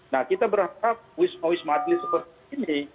nah kita berharap wisma wisma atlet seperti ini